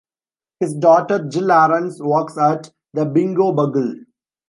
His daughter, Jill Arons, works at "The Bingo Bugle".